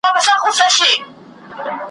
په لوی لاس به دروازه د رزق تړمه .